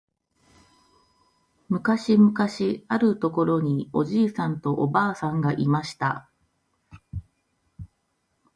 むかしむかしあるところにおじいさんとおばあさんがいました。